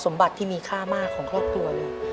ที่มีค่ามากของครอบครัวเลย